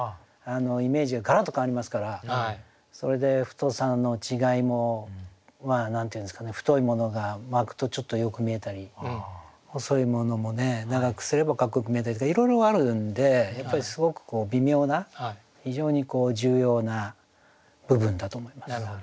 イメージがガラッと変わりますからそれで太さの違いも何て言うんですかね太いものが巻くとちょっとよく見えたり細いものもね長くすればかっこよく見えたりとかいろいろあるんでやっぱりすごく微妙な非常に重要な部分だと思います。